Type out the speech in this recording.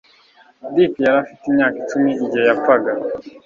dick yari afite imyaka icumi igihe yapfaga